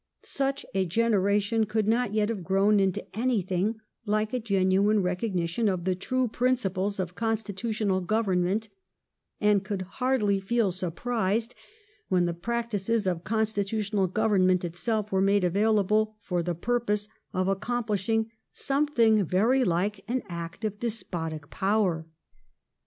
Such a generation could not yet have grown into anything like a genuine recog nition of the true principles of constitutional govern ment, and could hardly feel surprised when the practices of constitutional government itself were made available for the purpose of accomplishing something very like an act of despotic power.